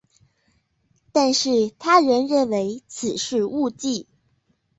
但是他人认为此是误记。